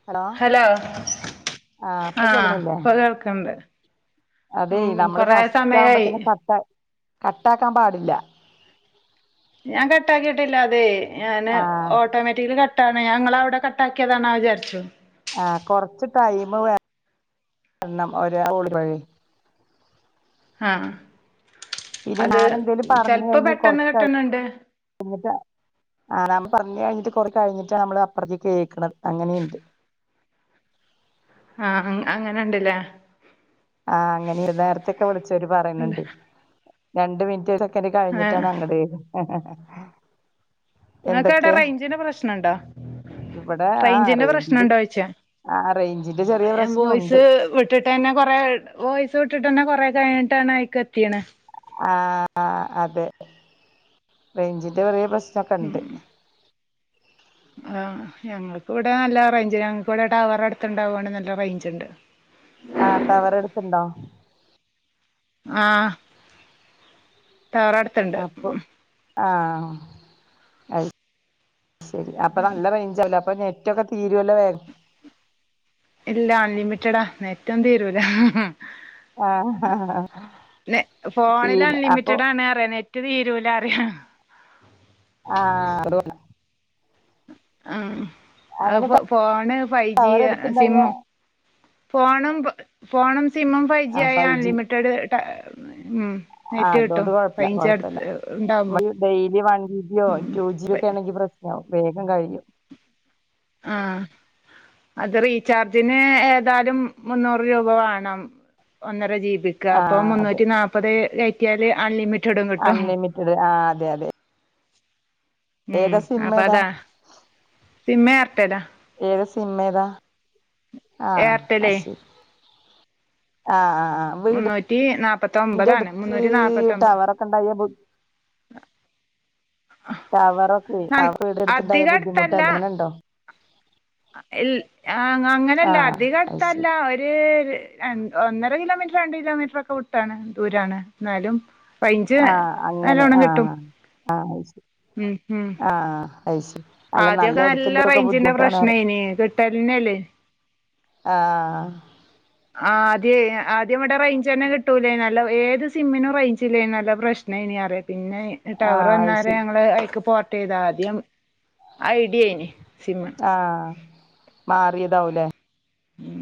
അ [inaudible] hello ആഹ് പ്പ കേൾക്ക്‌ണ്ട് അതേയ് നമ്മള് സമയായി ഫസ്റ്റാവുമ്പതന്നെ കട്ട കട്ടാകാൻ പാടില്ല ഞാൻ കട്ടാക്കിട്ടില്ല അതേയ് ഞാന് ആഹ് ഓട്ടോമാറ്റിക്കലി ക ട്ടാണ്. ഞാൻ ങ്ങളവിടെ കട്ടാക്കിയതാണോ വിചാരിച്ചു ആഹ് കൊർച്ച് ടൈമ് വെര്ണം [unintelligible] ഹാഹ് പിന്നെ അത് ഞാൻ എന്തേലും ചെൽപ്പ പെട്ടെന്ന് കിട്ട്ന്ന്ണ്ട് എന്നിട്ട് ആ നമ്മ പറഞ്ഞഴിഞ്ഞിട്ട് കൊറെ കഴിഞ്ഞിട്ടാണ് നമ്മള് അപ്പറത്ത്‌ കേക്ക്‌ണത്. അങ്ങനീണ്ട് ആ ഹ് അങ്ങനെണ്ട് ലേ ആഹ് അങ്ങനെ നേര്ത്തെക്കെ വിളിച്ചവര് പറയ്നിണ്ട് രണ്ട് മിൻറ്റ് [unintelligible] ആഹ് കഴിഞ്ഞിട്ടാണ് അങ്ങടേത് ങ്ങക്കാട റൈഞ്ചിന്റെ പ്രശ്നണ്ടാ ഇവിടെ ആഹ് റൈഞ്ചിന്റെ റേഞ്ചിന്റെ പ്രശ്നണ്ടോയ്ച്ച ആഹ് റേഞ്ചിന്റെ ചെറിയ ഞാൻ പ്രശ്നം ഉണ്ട് വോയ്സ് വി ട്ടിട്ടന്നെ കൊറേ വോയ്സ് വിട്ടിട്ടന്നെ കൊറേ കയ്ഞ്ഞിട്ടാണ് അയ്ക്കെത്തീണ് ആഹ് അതെ റൈഞ്ചിന്റെ ചെറിയ പ്രശ്നക്കണ്ട് ആഹ് ഞങ്ങക്ക്‌വടെ നല്ല റേഞ്ച് ഞങ്ങക്ക്‌വട ടവറട്ത്തുണ്ടാവോണ് നല്ല റൈഞ്ച് ണ്ട് ആഹ് ടവറട്ത്ത്‌ണ്ടാ ആഹ് ടവറട് അപ്പൊ ആഹ് അ ശരി അപ്പൊ നല്ല റെഞ്ചല്ലേ അപ്പൊ നെറ്റൊക്കെ തീരല്ലേ വേഗ ഇല്ല അൺലിമിറ്റഡാ നെറ്റൊന്നു തീരൂല ആഹ് ആഹ് ഫോണിൽ പിന്നെ അപ്പൊ അൺലിമിറ്റഡാണ് അറിയ നെറ്റ് റ്റ് തീരൂല അറിയ ആഹ് [unintelligible] ആഹ് അങ്ങനെ അത് ഫോണ് ഫൈവ് ജി ടവർ എടുത്തിണ്ടായ സിമ്മ ഫോണും ഫോണും സിമ്മും ഫൈവ് ജി ആഹ് ആയ ജി അൺലിമിറ്റഡ് ഉം നെറ്റ് ആഹ് കിട്ടും അതുകൊണ്ട് കൊഴപ്പല്ല റേഞ്ച് കൊഴപ്പല്ല അടുത്ത് ഉണ്ടാവുമ്പോ ഡെയിലി വൺ ജി ബിയോ ഉം ടു ജി ബി ഒക്കെ ആണെങ്കിൽ പ്ര വേഗം കഴിഞ്ഞു ആഹ് അത് റീചാർജിന് ഏതായാലും മുന്നൂറ് രൂപ വേണം ഒന്നര ജീബിക്ക് അപ്പൊ ആഹ് അതെ മുന്നൂറ്റി നാല്പത് കേറ്റിയാല് അൺലിമിറ്റ അൺലിമിറ്റഡ് ആഹ് അതെ അതെ ഉം ഏതാ സിം അപ്പൊ ഏതാ അതാ സിമ്മ് ഏർട്ടലാ ഏത സിമ്മേതാ ആഹ് ആഹ് എയർടെലേ ശരി ആഹ് ആഹ് ആഹ് വീടിന്റെ മുന്നൂറ്റി നാപ്പത്തൊമ്പതാണ് മുന്നൂറ്റി നാപ്പത്തൊൻമ്പത് കണ്ടായബ് ടവറൊക്കെ ആഹ് വീടെടുത്തിണ്ടായ അധിക ബുദ്ധിമുട്ടല്ലെങ്ങനെ ഉണ്ടോ ഇൽ ആഹ് അങ്ങനെയല്ല അത് അധികടുത്തല്ല ശരി ഒരു ഒന്നര കിലോമീറ്റർ രണ്ട് കിലോമീറ്റർ ഒക്കെ വുട്ടാണ് ദൂരാണ് എന്നാലും റേഞ്ച് ആഹ് അങ്ങനെ നല്ലോണം കിട്ടും ആഹ് ആഹ് ഉം ഉം ആഹ് അത് ശരി അല്ല ആദ്യക്കെ നല്ല അടുത്തുള്ളോർക്കൊക്കെ റേഞ്ചിന്റെ ബുദ്ധിമുട്ടാണ് പറയ പ്രശനേനി തന്നെല്ലേ ആഹ് ആഹ് ആദ്യ ആദ്യം ഇവിടെ റേഞ്ച് തന്നെ കിട്ടൂലേനല്ലോ ഏത് സിമ്മിനും റേഞ്ചില്ലേനല്ലോ പ്രശ് നേനി അറ പിന്നെ ടവർ ആഹ് അത് വന്നാരെ ശരി ഞങ്ങള് ഐക്ക് പോർട്ട് ചെയ്ത ആദ്യം ഐഡിയിന് സിമ്മ് ആഹ് മാറിയതാവുല്ലേ ഉം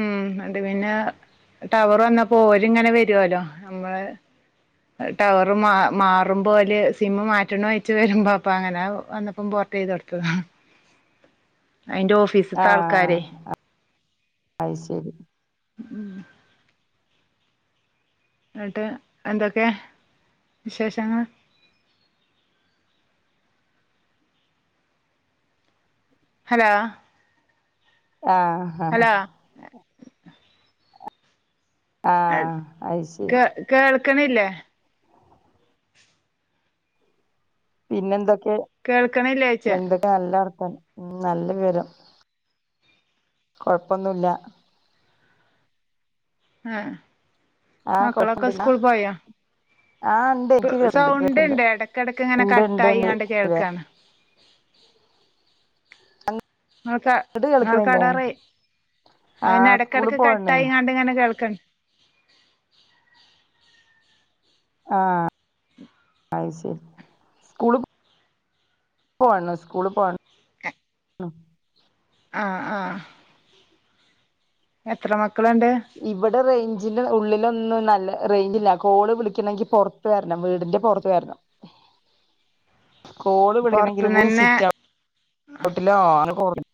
ഉം അത് പിന്നെ ടവറ് വന്നപ്പോ ഓല്ങ്ങനെ വരുവല്ലോ നമ്മള് ടവറ് മാ മാറും പോലെ സിമ്മ് മാറ്റണഴച്ച് വരുമ്പോ അപ്പ അങ്ങനെ വന്നപ്പം പൊ അയിന്റെ ഓഫ് ആഹ് അഹ് ശരി ഉം എന്നിട്ട് എന്തൊക്കെ വിശേഷങ്ങൾ ഹലോ ആഹ് ആഹ് ഹലോ ആഹ് അത് ശരി കേൾ കേൾക്കണില്ലേ പിന്നെന്തൊക്കെ കേൾക്കണില്ലേച്ച നല്ല വർത്താനം ഉം നല്ല വിവരം കൊഴ്പ്പൊന്നുല്ല ആഹ് ആഹ് മക്കളൊക്കെ കൊഴപ്പുണ്ടില്ല സ്കൂള് പോയോ? ആഹ് ഇണ്ട് ഇൻക്ക് കേക്കണ്ട് സൗണ്ട് കേക്കണ്ട് ഉണ്ട് ഇടക്കിടക്ക് ഇങ്ങനെ ഇണ്ട് ഇണ്ട്ണ്ട് കട്ടായിങ്ങാണ്ട് [unintelligible] കേൾക്കാണ് ഇങ്ങൾക്കാ കേൾക്കണില്ലേ ഇങ്ങൾക്കാടാ റെയ് അതെന്നെ ആഹ് സ്കൂള് എടക്കെടക്ക് പോവണേ കട്ടായിങ്ങാണ്ട് ഇങ്ങനെ കേൾക്കണ്‌ ആഹ് അയി ശെരി [unintelligible] വന്നു സ്കൂളിള് പോവാ [unintelligible] ഉം ആഹ് ആഹ് എത്ര മക്കള്ണ്ട് ഇവിടെ റേയ്ഞ്ചില് ഉള്ളിലൊന്നും നല്ല റേയ്ഞ്ചില്ലാ കോള് വിളിക്കണെങ്കി പൊറത്ത് വരണം വീടിന്റെ പൊറത്ത് വരണം കോള് പൊറത്തുന്ന് വിളിക്കണെങ്കിലും [unintelligible] തന്നെ സിറ്റൗ റ്റൗട്ടിലോ [unintelligible]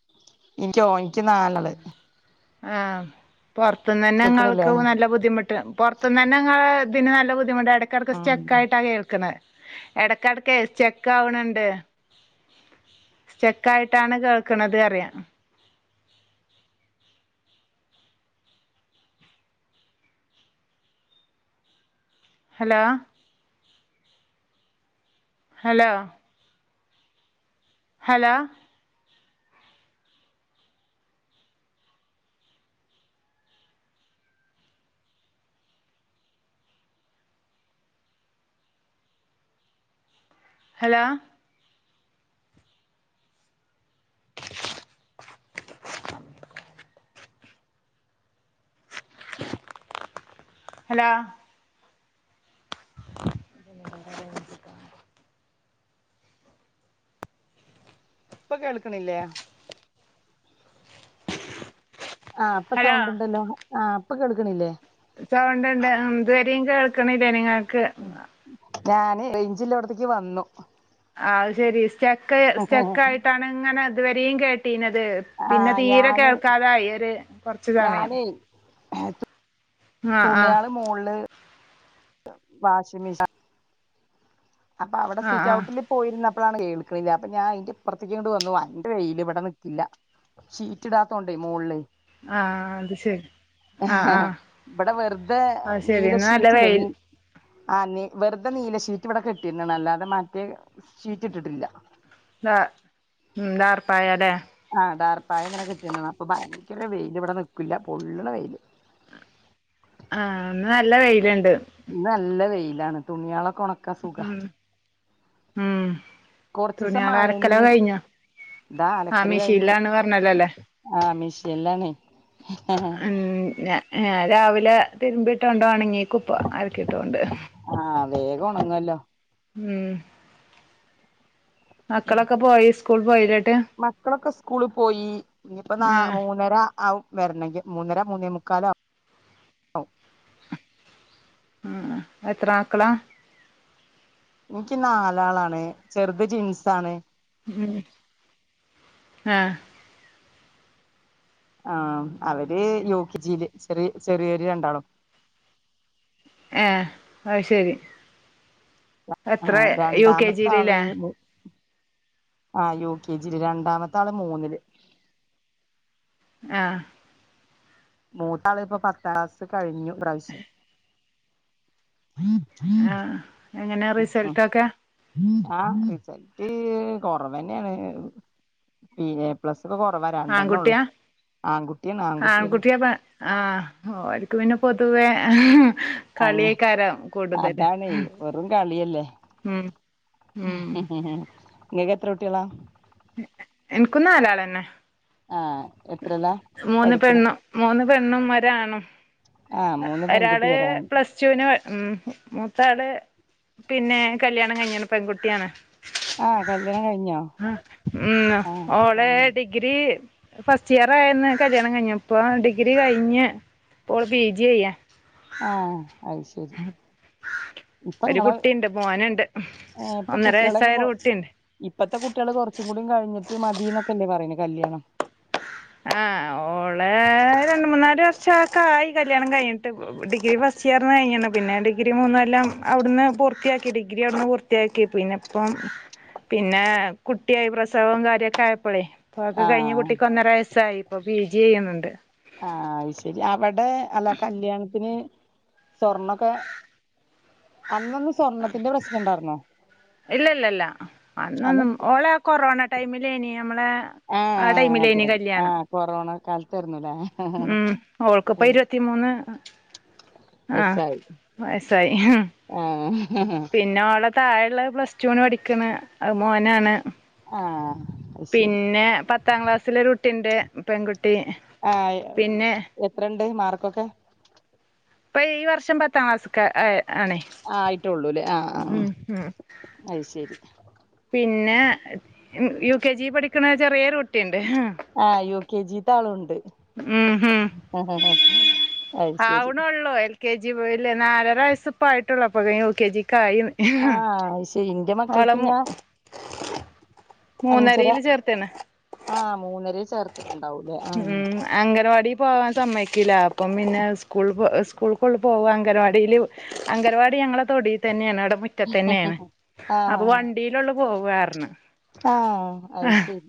ഇനിക്കോ ഇനിക്ക് നാലാള് ആഹ് പൊർത്തുന്ന് തന്നെ കേൾക്കണില്ലേ നിങ്ങൾക്ക് നല്ല ബുദ്ധിമുട്ട് പൊർ ഇപ്പം തന്നെ ഇങ്ങള് ഇതിന് നല്ല ബുദ്ധിമുട്ടാ എടക്കെടക്ക് ഉം സ്റ്റെക്കായിട്ടാ കേൾക്കണെ എടക്കെടക്കേ സ്റ്റെക്കാവണ്‌ണ്ട് സ്റ്റെക്കായിട്ടാണ് കേൾക്കണത് പറിയാ hello hello hello hello hello [unintelligible] ഇപ്പ കേൾക്കണില്ലേ? ആഹ് ഇപ്പൊ ഹലോ സൗണ്ട്ണ്ടല്ലോ ആഹ് ഇപ്പൊ കേൾക്കണില്ലേ? സൗണ്ട് ഇണ്ട് ഉം ഇതുവരെയും കേൾക്കണില്ലേനി ഇങ്ങൾക്ക് ഞാന് റേയിഞ്ചിള്ളോടത്തേക്ക് വന്നു ആഹ് അത് ശെരി സ്റ്റെക്ക് സ്റ്റെക്ക് ആയിട്ടാണ് ഇങ്ങനെ ഇതുവരെയും കേട്ടീണത് പിന്നെ ആഹ് തീരെ ഞാന് കേൾക്കാതായി ഒര് കൊറച്ചു സമയം ഞാനേ ആ ആ തുണിയാള് മോളില് വാഷിംഗ് മെഷാ അപ്പൊ അവിടെ ആ ആ സിറ്റൗട്ടില് പോയിരുന്നപ്പഴാണ് കേൾക്കണില്ലാ അപ്പൊ ഞാ അയിന്റെ ഇപ്പറത്തേക്ക്ങ്ങട്ട് വന്നു ഭയങ്കര വെയില് ഇവിടെ നിക്കില്ലാ ഷീറ്റിടാത്തോണ്ടേ മോളില് ആഹ് ആഹ് അത് ശെരി ഇവിടെ വെറുതെ അത് ശരി ഇന്ന് നല്ല നീലഷീറ്റില്ലേ വെയിൽ നീ ആഹ് നീ വെറുതെ നീലഷീറ്റ് ഇവിടെ കെട്ടിയിരുന്ന് അല്ലാതെ മറ്റേ ഷീറ്റ് ഇട്ടിട്ടില്ലാ നാ ഉം നാർപ്പായാല്ലേ ആഹ് ടാർപ്പായ ഇങ്ങനെ കെട്ടിന്നു അപ്പൊ ഭയങ്കര വെയില് ഇവിടെ നിക്കൂല്ലാ പൊള്ളണ വെയില് ആഹ് ഇന്ന് നല്ല വെയില്ണ്ട് ഇന്ന് നല്ല വെയിലാണ് തുണിയാളൊക്കെ ഒണ ഉം ഉം കൊറച്ചീസം മഴന്നെ തുണിയാളലക്കലൊക്കെ കയിഞ്ഞോ ആഹ് മെഷീൻലാന്ന് പറഞ്ഞല്ലോല്ലേ ആഹ് മിഷീനിലാണെ ഉം ഞാൻ രാവിലെ തിരുമ്പി ഇട്ടോണ്ട് ഒണങ്ങി ഏക്കും ഇപ്പം അലക്കിട്ടോണ്ട് ആഹ് വേഗം ഒണങ്ങുല്ലോ ഉം മക്കളൊക്കെ പോയി സ്കൂൾ പോയിലെട്ട് മക്കളൊക്കെ സ്കൂളി പോയി ഇനിപ്പ നാ ആഹ് മൂന്നര ആവും വെരണെങ്കി മൂന്നര മൂന്നേ മുക്കാലാവും ഉം എത്ര മക്കളാ ഇൻക്കി നാലാളാണ് ചെറുത് ട്വിൻസ്സാണ് ഉം ആഹ് ആഹ് അവര് യു കെ ജി യില് ചെറിയ ചെറിയവര് രണ്ടാളും ഏഹ് അത് ശരി എത്രെ ആഹ് യു കെ ജി രണ്ടാമത്തെ ല് ആള് ലെ ആഹ് യു കെ ജി ല് രണ്ടാമത്താള് മൂന്നില് ആഹ് മൂത്താള് ഇപ്പ പത്താംക്ലാസ് കഴിഞ്ഞു ഈ പ്രാവശ്യം ആഹ് എങ്ങനെ റിസൽട്ടൊക്കെ ആഹ് റിസൽട്ട് കൊറവന്നേണ് ബി എ പ്ലസ് ഒക്കെ കൊറവാ രണ്ടെണ്ണൊള്ളു ആൺകുട്ടിയാ ആങ്കുട്ടിയാണ് ആങ്കുട്ടിയാണ് ആൺകുട്ടിയാ പെ ആഹ് ഓര്ക്ക് പിന്നെ പൊതുവേ അങ്ങ് കളിയേക്കാരം കൂടുതല് അതാണേ ഉം ഉം ഇങ്ങക്ക് എത്ര കുട്ട്യാളാ എനിക്കും നാലാളെന്നെ ആഹ് എത്രയിലാ മൂന്ന് പഠിക്കണെ പെണ്ണും മൂന്ന് പെണ്ണും ഒരാണും ആഹ് അഹ് മൂന്ന് പെൺകുട്ടി ഒരാള് ഒരാണ് പ്ലസ് റ്റുന് ഉം മൂത്താള് പിന്നെ കല്യാണം കഴിഞ്ഞ്ണ് പെങ്കുട്ടിയാണ് ആഹ് കല്യാണം കഴിഞ്ഞോ ആഹ് ഉം ആഹ് ഓളെ ആഹ് ഡിഗ്രി ഫസ്റ്റിയറായന്ന് കല്യാണം കഴിഞ്ഞ് ഇപ്പ ഡിഗ്രി കഴിഞ്ഞ് ഇപ്പൊ ഓള് പി ജി ചെയ്യാ ആഹ് അയ്ശരി ഒരു ഇപ്പങ്ങള് കുട്ടിയുണ്ട് മോനുണ്ട് ഏഹ് ഇപ്പൊ ഒന്നര കുട്ട്യാളെക്കെ കൊ വയസ്സായൊരു കുട്ടിയുണ്ട് ഇപ്പത്തെ കുട്ട്യാള് കുറച്ചും കൂടി കഴിഞ്ഞിട്ട് മതിന്നൊക്കെല്ലേ പറയ്ണ് കല്യാണം ആഹ് ഓളെ രണ്ട് മൂന്നാല് വർഷക്കായി കല്യാണം കഴിഞ്ഞിട്ട് ഇപ്പോ ഡിഗ്രി ഫസ്റ്റ് ഇയർന്ന് കഴിഞ്ഞിണ് പിന്നെ ഡിഗ്രി മൂന്ന്കൊല്ലം അവിടുന്ന് പൂർത്തിയാക്കി ഡിഗ്രി അവിടുന്ന് പൂർ ത്യാക്കി പിന്നെപ്പം പിന്നെ കുട്ടി ആയി പ്രസവോം കാര്യൊക്കെ ആയപ്പളെ ഇപ്പൊ അത് ഒക്കെ കഴിഞ്ഞ് ആഹ് കുട്ടിക്ക് ഒന്നര വയസായി ഇപ്പൊ പി ജി ചെയ്യുന്ന്ണ്ട് ആഹ് അത് ശരി അവിടെ അല്ല കല്യാണത്തിന് സ്വർണൊക്കെ അന്നൊന്നും സ്വർണ്ണത്തിന്റെ പ്രശ്നണ്ടാർന്നോ ഇല്ലല്ല അന്ന് അന്നൊന്നും ഓളെ ആ കൊറോണ ടൈമിലേനി നമ്മളെ ആ ആഹ് അതെ ടൈമിലേനി അതെ കല്യാണം ആഹ് കൊറോണ കാലത്താരുന്നുലേ ഉം ഓൾൾക്കിപ്പൊ ഇരുപത്തി മൂന്ന് ആഹ് വയസ്സായി വയസ്സായി ആഹ് പിന്നെ ഓളെ താഴെള്ളത് പ്ലസ് റ്റു ന് പഠിക്കണ് അത് മോനാണ് ആഹ് അത് ശരി പിന്നെ പത്താം ക്ലാസ്സിലൊരു കുട്ടിണ്ട് പെങ്കുട്ടി ആഹ് എത്രെണ്ട് മാർക്കൊക്കെ ഇപ്പം ഈ വർഷം പത്താം ക്ലാസ്ക്ക ആയേ ആണ് ആഹ് ആയിട്ടൊള്ളുലെ ആഹ് ആഹ് ഉം ഉം അത് ശരി പിന്നെ യു കെ ജി പഠിക്കണ ചെറിയൊരു കുട്ടിയുണ്ട് ആഹ് യു കെ ജി ത്ത ആളുണ്ട് ഉം ഉം [unintelligible] ശരി ആവണൊള്ളൂ എൽ കെ ജി പോയില്ലേ നാലര വയസ്സിപ്പോ ആയിട്ടുള്ളൂ അപ്പത്തെനും യു കെ ജി ക്കായിന്ന് ആഹ് അത് ശരി ഇന്റെ മക്കൾക്ക് വളമു ഞാൻ അഞ്ചര മൂന്നരയില് ചേർത്തേണ് ആഹ് മൂന്നരെ ചേർത്തിട്ടുണ്ടാവൂല്ലേ ഉം അംഗൻവാടി പോവാൻ സമ്മയ്ക്കില്ല അപ്പ് ഇപ്പം പിന്നെ സ്കൂൾ പോ സ്കൂൾല്കോൾല് പോവാ അംഗനവാടില് അംഗൻവാടി ഞങ്ങളെ തൊടി തന്നെയാണ് അവിടെ മുറ്റത്തന്നെയാണ് അപ്പൊ ആഹ് വണ്ടി വണ്ടിയിലൊള്ളൂ പോവർ ഞ്ഞ് ആഹ് അത് ശരി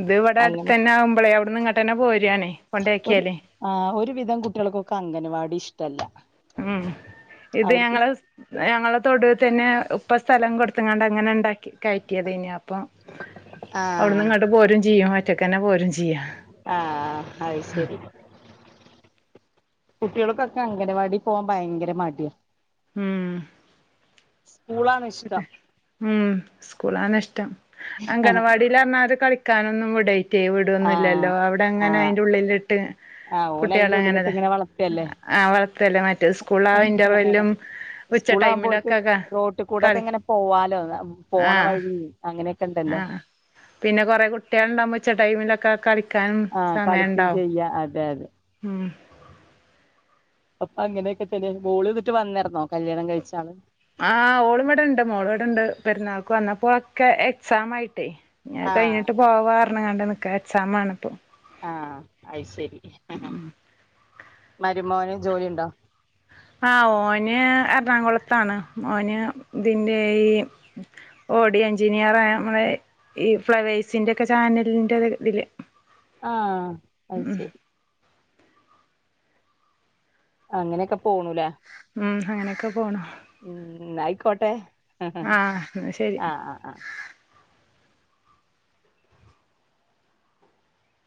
ഇത്വിടെ അങ്ങനെ ആവുമ്പോളേ അവിടുന്ന് ഇങ്ങട്ടന്ന പോരണ് കൊണ്ടേക്കിയാലേ ആ് ഒരുവിധം കുട്ടികൾക്കൊക്കെ അംഗൻവാടി ഇഷ്ടല്ല ഉം ഇത് അവർക്ക് ഞങ്ങള് ഞങ്ങളെ തൊടുൽ തന്നെ ഇപ്പ സ്ഥലം കൊടുത്തങ്ങാണ്ട് അങ്ങനെ ഇണ്ടാക്കി കയറ്റിയതയ്നി അപ്പൊ അവിടന്ന് ആഹ് ഇങ്ങോട്ട് പോരും ചെയ്യും മറ്റക്കന്നെ പോരും ചെയ്യാ ആഹ് അയ്ശരി കുട്ടികൾക്കൊക്കെ അംഗനവാടി പോകാൻ ഭയങ്കര മടിയ ഉം സ്കൂളാണ്ഷ്ടം ഉം സ്കൂളാണ്ഷ്ടം ആഹ് അംഗനവാടിൽറിഞ്ഞാല് കളിക്കാനൊന്നും വിട പിറ്റേ വീടൊന്നുംല്ലല്ലോ അവിടെ അങ്ങനെ ആഹ് അയിന്റെ ഉള്ളിലിട്ട് ആഹ് ഓല് കുട്ടിയള അയിന്റെ ഉള്ളിലിട്ട് അങ്ങനെതാ ഇങ്ങനെ വളർത്തല്ലേ ആഹ് വളത്തല്ലേ മറ്റേ സ്കൂള ആ ഇന്റർവെലും ഉച്ച ടൈമിലൊക്കെ ഒക്കെ കൂടെയൊക്കെ അങ്ങനെ പോവാലോ പോണ ആഹ് വഴി അങ്ങനെ ആഹ് പിന്നെ കൊറേ കുട്ടികളുണ്ടവുമ്പോ ഉച്ച ടൈമിലൊക്കെ ക്കാൻ ആഹ് സമയ കളിക്കും ഉണ്ടാവും ചെയ്യാ അതെ അതെ അപ്പൊ അങ്ങനെയൊക്കെ തന്ന മോള്ന്നിട്ട് വന്നാരുന്നോ കല്യാണം കഴിച്ചാണ് ആഹ് ഓളും ഇടെ ഇണ്ട് മോള ഇവിടെണ്ട് പെരുന്നാൾക്ക് വന്നപ്പോ ഒക്കെ എക്സാം ആയിട്ടേ അഹ് ആഹ് കഴിഞ്ഞിട്ട് പോവാ പറഞ്ഞണം കണ്ട നിക്ക എക്സാമാണ്പ്പോ ആഹ് അയ്ശെരി മരുമോന് ജോലി ഉണ്ടോ ആഹ് ഓന് എറണാകുളത്താണ് ഓന് ഇതിന്റെ ഈ ഓഡിയ എഞ്ചിനീയറാ ആ നമ്മളെ ഈ ഫ്ലവേഴ്സിന്റെ ഒക്കെ ചാനലിൻന്റെ ഇതില് ആഹ് അയ്ശരി അങ്ങനെയൊക്കെ പോണൂലേ ഉം അങ്ങനെയൊക്കെ പോണ് ഉം ന്നാ ആയിക്കോട്ടെ ആഹ് എന്നാ ശരി ആഹ് ആഹ്